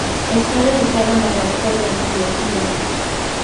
Está dedicada a Margarita de Antioquía.